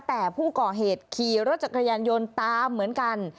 แต่ผู้ก่อเหตุขี่รถจักรยานยนต์ตามเหมือนกัน